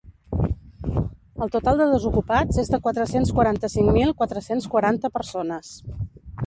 El total de desocupats és de quatre-cents quaranta-cinc mil quatre-cents quaranta persones.